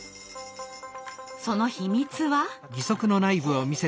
その秘密は？